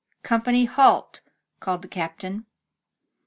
''Company, halt!" called the Captain.